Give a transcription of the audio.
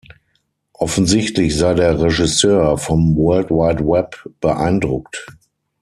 Offensichtlich sei der Regisseur „vom World Wide Web beeindruckt“.